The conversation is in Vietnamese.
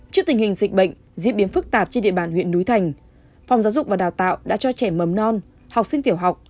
trước tình hình dịch bệnh diễn biến phức tạp trên địa bàn huyện núi thành phòng giáo dục và đào tạo đã cho trẻ mầm non học sinh tiểu học